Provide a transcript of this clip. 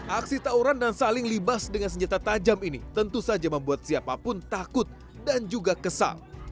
aksi tawuran dan saling libas dengan senjata tajam ini tentu saja membuat siapapun takut dan juga kesal